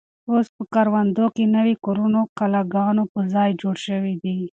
اوس په کروندو کې نوي کورونه د کلاګانو په ځای جوړ شوي دي.